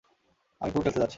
আমি পুল খেলতে যাচ্ছি!